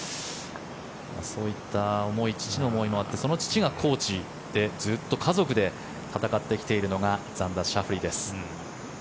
そういった父の思いがあってその父がコーチでずっと家族で戦ってきているのがザンダー・シャフリーです。